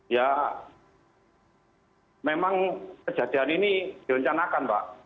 ya memang kejadian ini direncanakan pak